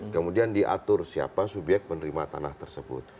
kemudian diatur siapa subyek penerima tanah tersebut